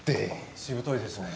しぶといですね。